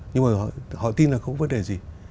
nhưng mà họ tin là không có vấn đề gì